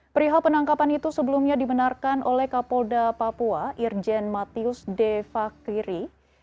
perihal penangkapan itu sebelumnya dibenarkan oleh kapolda papua irjen matius de fakiri